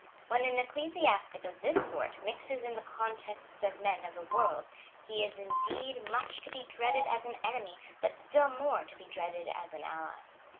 When an ecclesiastic of this sort mixes in the contests of men of the world, he is indeed much to be dreaded as an enemy, but still more to be dreaded as an ally.